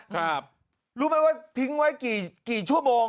ครับรู้ไหมว่าทิ้งไว้กี่กี่ชั่วโมง